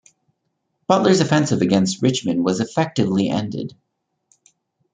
Butler's offensive against Richmond was effectively ended.